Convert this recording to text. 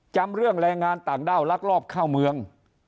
จำเรื่องแรงงานต่างด้าวลักลอบเข้าเมือง